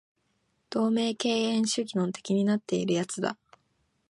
同盟敬遠主義の的になっている奴だ